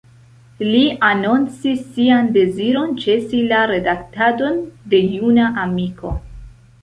Li anoncis sian deziron ĉesi la redaktadon de Juna Amiko.